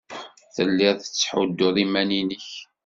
Tellid tettḥuddud iman-nnek.